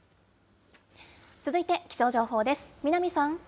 続いて気象情報です。